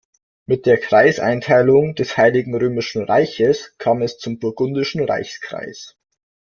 Mit der Kreiseinteilung des Heiligen Römischen Reiches kam es zum Burgundischen Reichskreis.